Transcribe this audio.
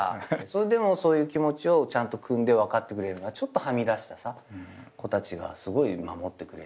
でもそういう気持ちをちゃんとくんで分かってくれるのはちょっとはみ出した子たちがすごい守ってくれて。